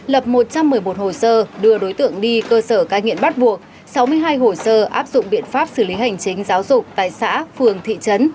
lập một trăm một mươi một hồ sơ đưa đối tượng đi cơ sở ca nghiện bắt buộc sáu mươi hai hồ sơ áp dụng biện pháp xử lý hành chính giáo dục tại xã phường thị trấn